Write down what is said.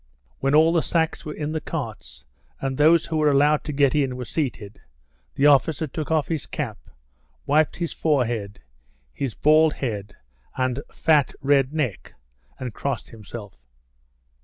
When all the sacks were in the carts, and those who were allowed to get in were seated, the officer took off his cap, wiped his forehead, his bald head and fat, red neck, and crossed himself.